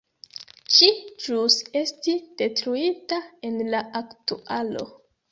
Ĝi ĵus esti detruita en la aktualo.